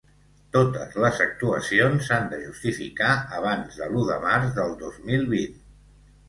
Totes les actuacions s'han de justificar abans de l'u de març del dos mil vint.